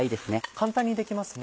簡単にできますね。